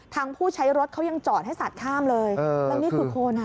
ผู้ใช้รถเขายังจอดให้สัดข้ามเลยแล้วนี่คือโคนอ่ะ